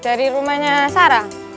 dari rumahnya sarah